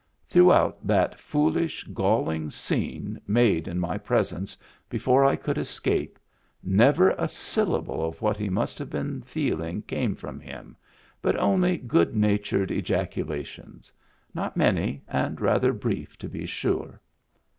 Throughout that foolish, galling scene made in my presence before I could escape, never a syllable of what he must have been feeling came from him, but only good natured ejaculations — not many and rather brief, to be sure.